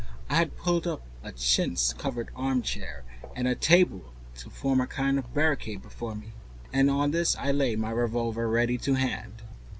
I had pulled up a chintz covered armchair and a table to form a kind of barricade before me. On this lay my revolver, ready to hand.